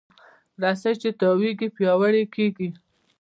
رسۍ چې تاوېږي، پیاوړې کېږي.